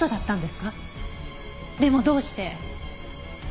でもどうして。